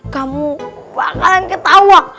kamu bakalan ketawa